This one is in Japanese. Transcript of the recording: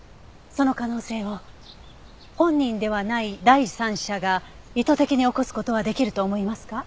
その可能性を本人ではない第三者が意図的に起こす事はできると思いますか？